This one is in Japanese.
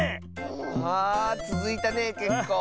あつづいたねけっこう。